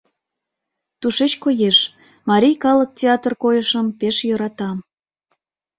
Тушеч коеш, марий калык театр койышым пеш йӧрата.